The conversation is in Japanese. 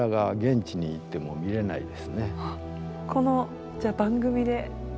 このこのじゃあ番組で。